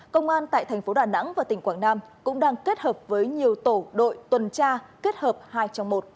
công an tại thành phố đà nẵng và tỉnh quảng nam cũng đang kết hợp với nhiều tổ đội tuần tra kết hợp hai trong một